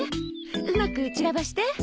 うまく散らばして。